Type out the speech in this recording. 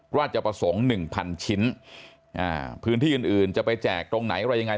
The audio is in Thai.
บอกว่าจะประสงค์๑๐๐๐ชิ้นพื้นที่อื่นจะไปแจกตรงไหนอะไรยังไง